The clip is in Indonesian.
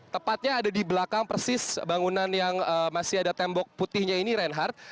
tepatnya ada di belakang persis bangunan yang masih ada tembok putihnya ini reinhardt